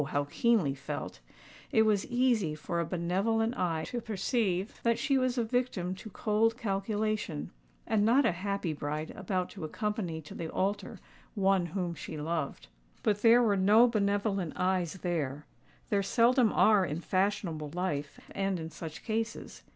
how keenly felt,—it was easy for a benevolent eye to perceive that she was a victim to cold calculation, and not a happy bride about to accompany to the altar one whom she loved. But there were no benevolent eyes there:—there seldom are in fashionable life and in such cases.